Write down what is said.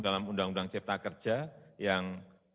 dalam undang undang cipta kerja yang